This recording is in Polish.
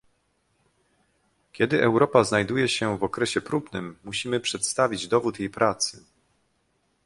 Kiedy Europa znajduje się w okresie próbnym, musimy przedstawić dowód jej pracy